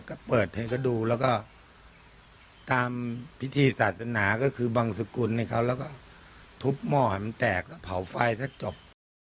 ก็เปิดเทนก็ดูแล้วก็ตามพิธีศาสนาก็คือบังสุกุลทุบหม้อมันแตกเผาไฟก็จบ